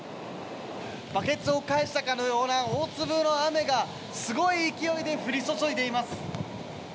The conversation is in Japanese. バケツをひっくり返したような大粒の雨がすごい勢いで降り注いでいます。